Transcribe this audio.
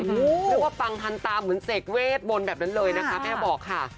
คือว่าฟังทันตามเหมือนเสกเวทวลแบบนั้นเลยนะคะแม่บอกค่ะ